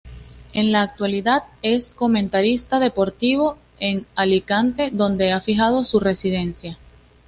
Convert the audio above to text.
En la actualidad, es comentarista deportivo en Alicante, donde ha fijado su residencia.